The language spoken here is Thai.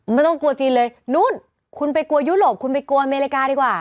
ไม่ต้องกลัวจีนเลยนู้นคุณไปกลัวยุโรปคุณไปกลัวอเมริกาดีกว่า